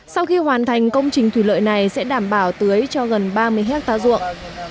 sau khi hoàn thành công trình thủy lợi này sẽ đảm bảo tưới cho gần ba mươi hectare ruộng